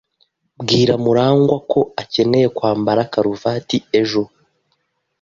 Bwira Murangwa ko akeneye kwambara karuvati ejo.